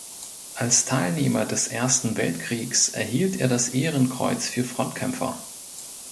Als Teilnehmer des Ersten Weltkriegs erhielt er das Ehrenkreuz für Frontkämpfer.